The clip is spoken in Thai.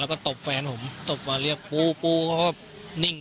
แล้วก็ได้คุยกับนายวิรพันธ์สามีของผู้ตายที่ว่าโดนกระสุนเฉียวริมฝีปากไปนะคะ